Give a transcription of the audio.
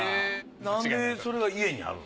なんでそれが家にある？